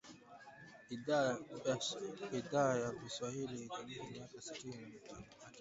Idhaa ya Kiswahili yaadhimisha miaka sitini ya Matangazo